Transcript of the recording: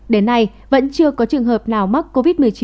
đến nay vẫn chưa có trường hợp nào mắc covid một mươi chín